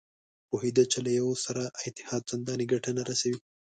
پوهېده چې له یوه سره اتحاد چندانې ګټه نه رسوي.